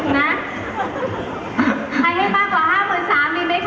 ใครให้มากกว่า๕๓๐๐๐มีไหมคะ